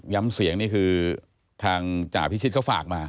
ย้ำเสียงนี่คือทางจราพิชิตก็ฝากมา